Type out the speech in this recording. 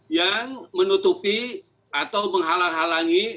yang menutupi atau menghalang halangi